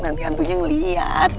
nanti antunya ngelihat